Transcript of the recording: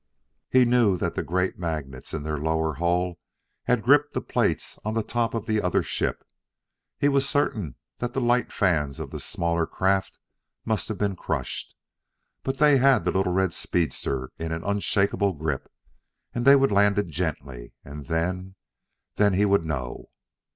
He knew that the great magnets in their lower hull had gripped the plates on the top of the other ship. He was certain that the light fans of the smaller craft must have been crushed; but they had the little red speedster in an unshakable grip; and they would land it gently. And then then he would know!